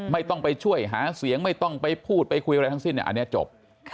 ไม่ต้องไปช่วยหาเสียงไม่ต้องไปพูดไปคุยอะไรทั้งสิ้นอันนี้จบ